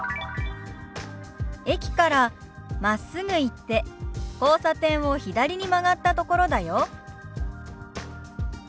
「駅からまっすぐ行って交差点を左に曲がったところだよ」。